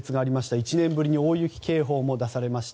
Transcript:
１年ぶりに大雪警報も出されました。